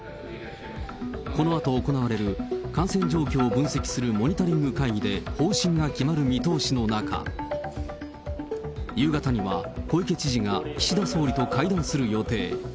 このあと行われる感染状況を分析するモニタリング会議で方針が決まる見通しの中、夕方には、小池知事が岸田総理と会談する予定。